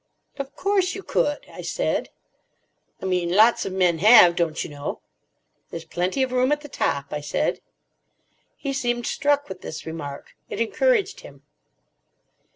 "Of course you could," I said. "I mean, lots of men have, don't you know." "There's plenty of room at the top," I said. He seemed struck with this remark. It encouraged him.